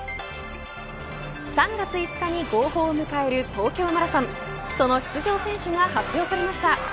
３月５日に号砲を迎える東京マラソンその出場選手が発表されました。